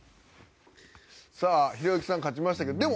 さあ、ひろゆきさん勝ちましたけれども。